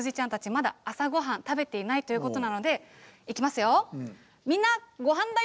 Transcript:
まだ朝ごはんを食べていないということなので、いきますよ。